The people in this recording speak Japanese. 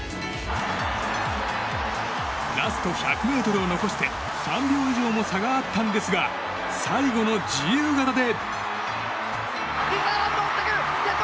ラスト１００ｍを残して３秒以上も差があったんですが最後の自由形で。